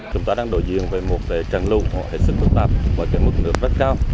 chúng ta đang đổi diện về một trận lưu hệ sức phức tạp với mức nước rất cao